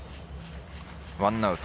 ワンアウト。